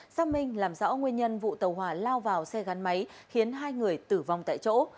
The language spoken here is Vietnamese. xác minh làm rõ nguyên nhân vụ tàu hỏa lao vào xe gắn máy khiến hai người tử vong tại chỗ